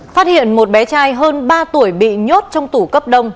phát hiện một bé trai hơn ba tuổi bị nhốt trong tủ cấp đông